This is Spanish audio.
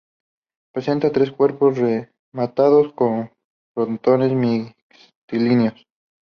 Presenta tres cuerpos rematados con frontones mixtilíneos.